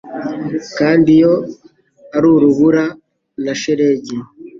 Kandi iyo ari urubura na shelegi